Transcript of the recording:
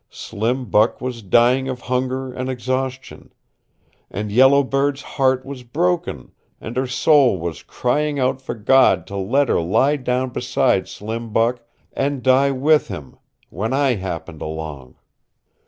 Slim Buck was dying of hunger and exhaustion. And Yellow Bird's heart was broken, and her soul was crying out for God to let her lie down beside Slim Buck and die with him when I happened along.